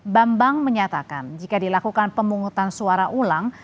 bambang menyatakan jika dilakukan pemungutan suara ulang